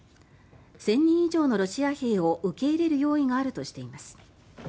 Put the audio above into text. １０００人以上のロシア兵を受け入れる用意があるとしています。